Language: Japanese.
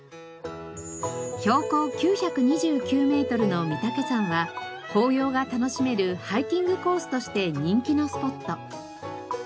標高９２９メートルの御岳山は紅葉が楽しめるハイキングコースとして人気のスポット。